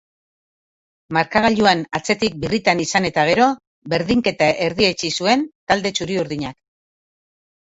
Markagailuan atzetik birritan izan eta gero berdinketa erdiesti zuen talde txuri-urdinak.